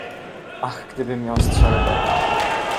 - Ach, gdybym miał strzelbę!